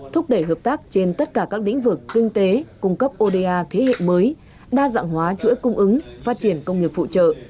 thúc đẩy hợp tác trên tất cả các lĩnh vực kinh tế cung cấp oda thế hệ mới đa dạng hóa chuỗi cung ứng phát triển công nghiệp phụ trợ